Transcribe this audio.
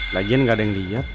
lagian nggak ada yang liat